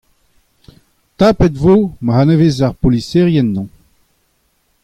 Tapet e vo ma anavez ar boliserien anezhañ.